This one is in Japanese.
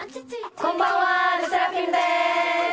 こんばんは。